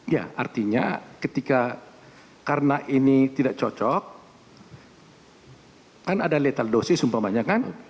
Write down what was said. ya artinya ketika karena ini tidak cocok kan ada letal dosis umpamanya kan